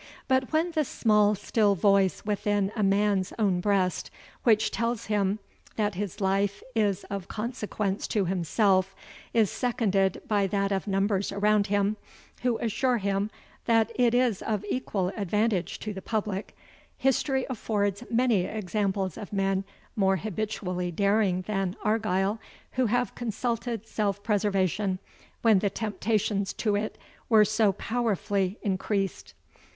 But when the small still voice within a man's own breast, which tells him that his life is of consequence to himself, is seconded by that of numbers around him, who assure him that it is of equal advantage to the public, history affords many examples of men more habitually daring than Argyle, who have consulted self preservation when the temptations to it were so powerfully increased.